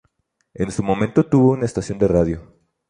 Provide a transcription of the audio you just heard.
En su momento tuvo una estación de radio.